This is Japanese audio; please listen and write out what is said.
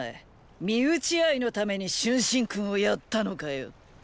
身内愛のために春申君を殺ったのかよ。